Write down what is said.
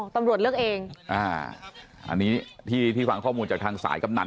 ตำรวจเลือกเองอ่าอันนี้ที่ฟังข้อมูลจากทางสายกำนัน